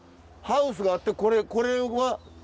ハウスがあってこれは？